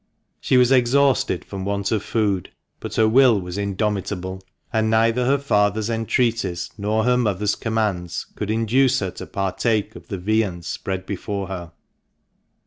She was exhausted from want of food, but her will was indomitable, and neither her father's entreaties, nor her mother's commands could induce her to partake of the viands spread before her.